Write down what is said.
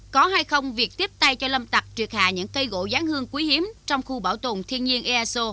có hay không việc tiếp tay cho lâm tạc triệt hạ những cây gỗ gián hương quý hiếm trong khu bảo tồn thiên nhiên easo